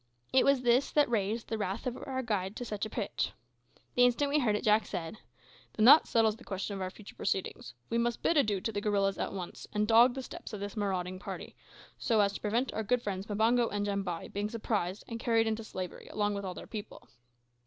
It was this that raised the wrath of our guide to such a pitch. The instant we heard it Jack said "Then that settles the question of our future proceedings. We must bid adieu to the gorillas at once, and dog the steps of this marauding party, so as to prevent our good friends Mbango and Jambai being surprised and carried into slavery along with all their people.